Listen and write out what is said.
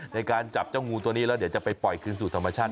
ในการจับเจ้างูตัวนี้แล้วเดี๋ยวจะไปปล่อยคืนสู่ธรรมชาติ